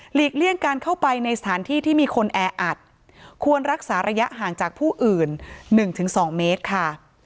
เลี่ยงการเข้าไปในสถานที่ที่มีคนแออัดควรรักษาระยะห่างจากผู้อื่น๑๒เมตรค่ะ